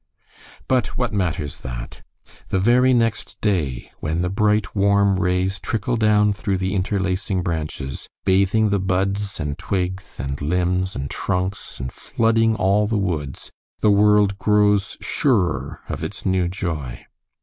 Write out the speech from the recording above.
But what matters that? The very next day, when the bright, warm rays trickle down through the interlacing branches, bathing the buds and twigs and limbs and trunks and flooding all the woods, the world grows surer of its new joy.